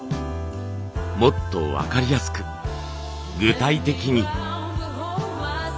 もっと分かりやすく具体的に。